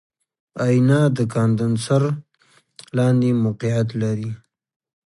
آئینه د کاندنسر لاندې موقعیت لري.